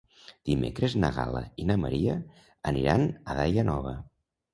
Dimecres na Gal·la i na Maria aniran a Daia Nova.